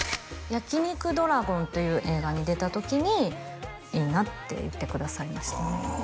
「焼肉ドラゴン」という映画に出た時にいいなって言ってくださいましたね